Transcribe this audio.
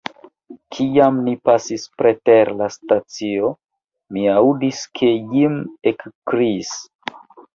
Kiam ni pasis preter la stacio, mi aŭdis, ke Jim ekkriis.